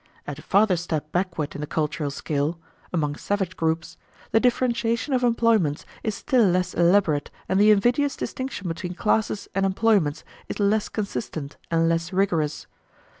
At a farther step backward in the cultural scale among savage groups the differentiation of employments is still less elaborate and the invidious distinction between classes and employments is less consistent and less rigorous.